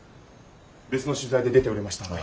別の取材で出ておりましたので。